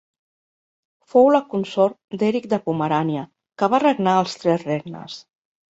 Fou la consort d'Eric de Pomerània, que va regnar als tres regnes.